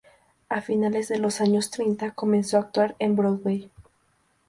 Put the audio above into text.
A finales de los años treinta comenzó a actuar en Broadway.